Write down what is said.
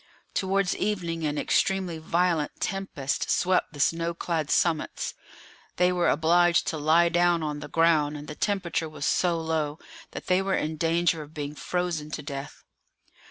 Towards evening an extremely violent tempest swept the snow clad summits; they were obliged to lie down on the ground, and the temperature was so low that they were in danger of being frozen to death.